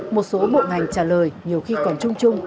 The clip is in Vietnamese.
một số bộ ngành trả lời nhiều khi còn chung chung